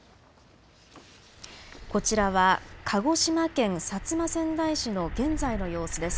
こちらは鹿児島県薩摩川内市の現在の様子です。